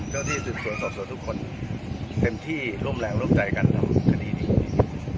เจ้าที่ส่วนส่วนส่วนส่วนทุกคนเต็มที่ร่วมแหล่งร่วมใจกันทำคดีดีกว่า